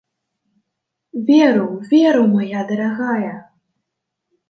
Веру, веру, мая дарагая!